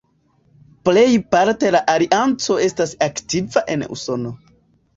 Plejparte la Alianco estas aktiva en Usono.